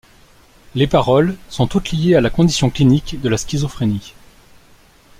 Les paroles sont toutes liées à la condition clinique de la schizophrénie.